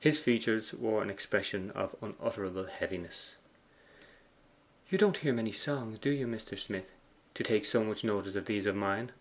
His features wore an expression of unutterable heaviness. 'You don't hear many songs, do you, Mr. Smith, to take so much notice of these of mine?